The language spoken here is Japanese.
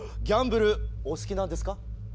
ギャンブルお好きなんですか？